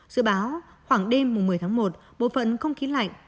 dự báo khoảng đêm một mươi tháng một bộ phận không khí lạnh